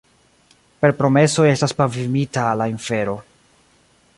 Per promesoj estas pavimita la infero.